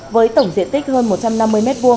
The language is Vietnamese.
với tổng diện tích hơn một trăm năm mươi m hai